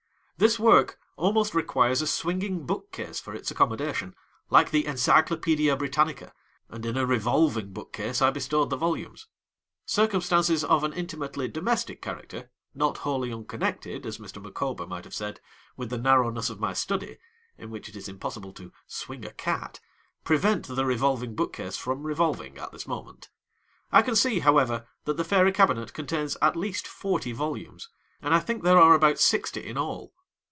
This work almost requires a swinging bookcase for its accommodation, like the Encyclopædia Britannica, and in a revolving bookcase I bestowed the volumes. Circumstances of an intimately domestic character, 'not wholly unconnected,' as Mr. Micawber might have said, with the narrowness of my study (in which it is impossible to 'swing a cat'), prevent the revolving bookcase from revolving at this moment. I can see, however, that the Fairy Cabinet contains at least forty volumes, and I think there are about sixty in all.